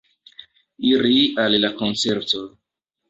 Iri al la koncerto.